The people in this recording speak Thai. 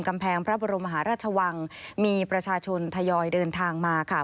กำแพงพระบรมมหาราชวังมีประชาชนทยอยเดินทางมาค่ะ